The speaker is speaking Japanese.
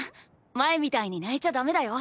前みたいに泣いちゃだめだよ。